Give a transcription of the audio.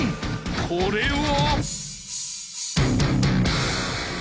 これは。